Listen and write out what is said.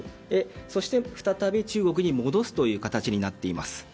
そして、再び中国に戻す形になっています。